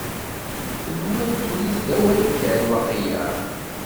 Tenwiḍ ddunit d awal kan, waqila?